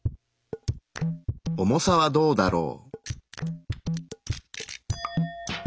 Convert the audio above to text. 重さはどうだろう？